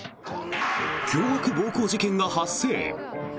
凶悪暴行事件が発生。